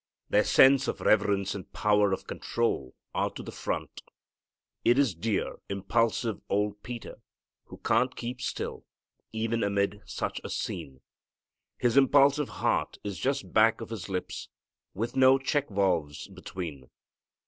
Their sense of reverence and power of control are to the front. It is dear, impulsive old Peter who can't keep still, even amid such a scene. His impulsive heart is just back of his lips, with no check valves between.